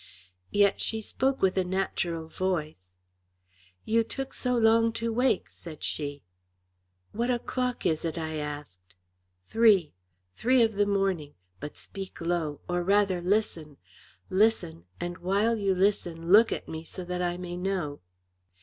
Yet she spoke with a natural voice. "You took so long to wake!" said she. "What o'clock is it?" I asked. "Three. Three of the morning; but speak low, or rather listen! Listen, and while you listen look at me, so that I may know."